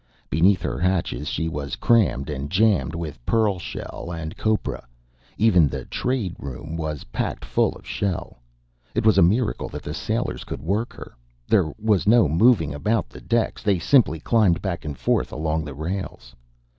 Beneath her hatches she was crammed and jammed with pearl shell and copra. Even the trade room was packed full with shell. It was a miracle that the sailors could work her. There was no moving about the decks. They simply climbed back and forth along the rails.